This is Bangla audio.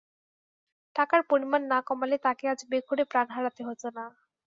টাকার পরিমাণ না কমালে তাঁকে আজ বেঘোরে প্রাণ হারাতে হতো না।